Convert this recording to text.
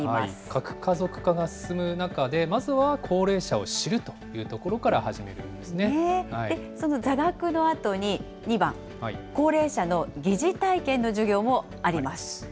核家族化が進む中で、まずは高齢者を知るというところから始その座学のあとに２番、高齢者の疑似体験の授業もあります。